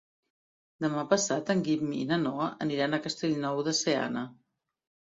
Demà passat en Guim i na Noa aniran a Castellnou de Seana.